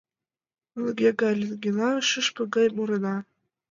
Лӱҥге гай лӱҥгена, шӱшпык гай мурена.